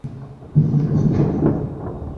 ইহাই ছিল মন্দির গীর্জা প্রভৃতির প্রকৃত উদ্দেশ্য।